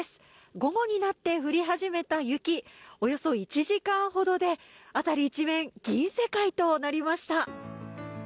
午後になって降り始めた雪、およそ１時間ほどで、辺り一面銀世界となりました。